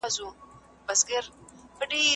ایا له بدو خویونو څخه لیري پاته کېدل ذهن پاکوي؟